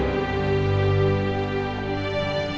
bang siapa partnernya ya